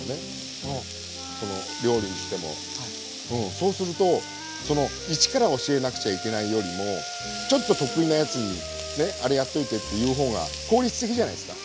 そうするとその一から教えなくちゃいけないよりもちょっと得意なやつにねあれやっといてって言う方が効率的じゃないですか。